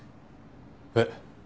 えっ？